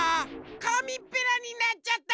かみっぺらになっちゃった！